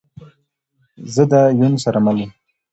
زه ده یون سره مل یم